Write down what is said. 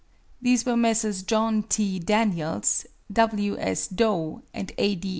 These were Messrs. John T. Daniels, W. S. Dough, and A. D.